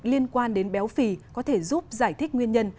liên quan đến béo phì có thể giúp giải thích nguyên nhân